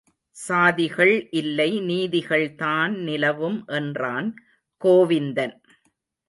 சாதிகள் இல்லை நீதிகள்தான் நிலவும் என்றான் கோவிந்தன்.